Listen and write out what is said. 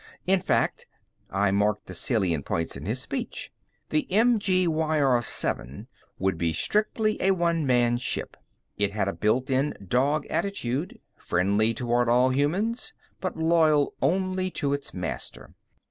In fact " I marked the salient points in his speech. The MG YR 7 would be strictly a one man ship. It had a built in dog attitude friendly toward all humans, but loyal only to its master.